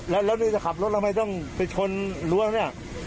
แล้วนี่จะขับรถทำไมต้องไปชนรั้วเนี่ย